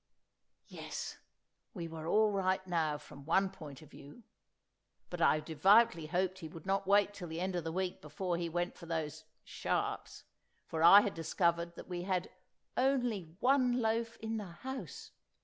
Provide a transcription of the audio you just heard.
Yes, we were all right now, from one point of view; but I devoutly hoped he would not wait till the end of the week before he went for those "sharps," for I had discovered that we had only one loaf in the house!